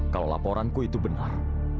kalau laporanku itu benar